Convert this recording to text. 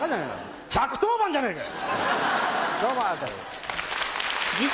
１１０番じゃねえかよ！